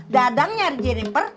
dadang nyariin jenifer